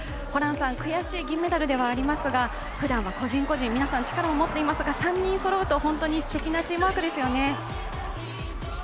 ホランさん、悔しい銀メダルではありますがふだんは個人個人皆さん力を持っていますが３人そろうと本当にすてきなチームワークですよね。